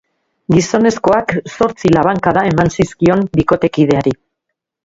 Gizonezkoak zortzi labankada eman zizkion bikotekideari.